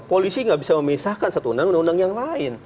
polisi nggak bisa memisahkan satu undang undang yang lain